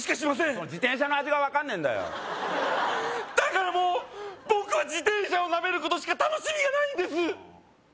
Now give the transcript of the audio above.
その自転車の味が分かんねえんだよだからもう僕は自転車をなめることしか楽しみがないんです